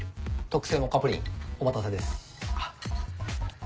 特製モカプリンお待たせです。